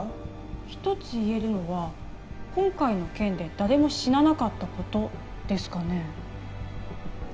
一つ言えるのは今回の件で誰も死ななかったことですかね？